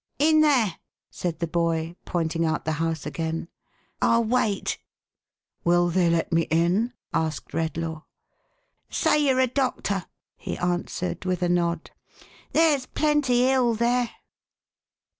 " In there !" said the boy, pointing out the house again. " HI wait." "Will they let me in?" asked Redlaw. "Say you're a doctor," he answered with a nod. "There's plenty ill here."